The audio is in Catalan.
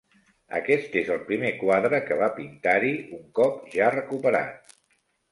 Aquest és el primer quadre que va pintar-hi un cop ja recuperat.